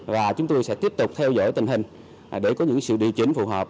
và chúng tôi sẽ tiếp tục theo dõi tình hình để có những sự điều chỉnh phù hợp